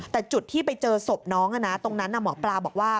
แต่จุดที่ไปเจอศพน้องตรงนั้นหมอปลาบอกว่า